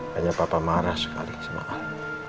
hanya papa marah sekali sama al